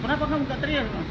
kenapa nggak teriak